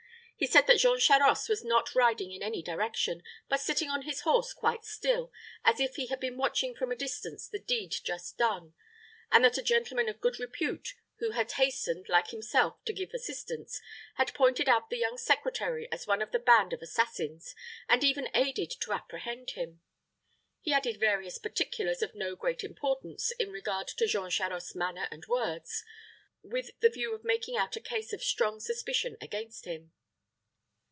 He said that Jean Charost was not riding in any direction, but sitting on his horse quite still, as if he had been watching from a distance the deed just done; and that a gentleman of good repute, who had hastened, like himself, to give assistance, had pointed out the young secretary as one of the band of assassins, and even aided to apprehend him. He added various particulars of no great importance in regard to Jean Charost's manner and words, with the view of making out a case of strong suspicion against him.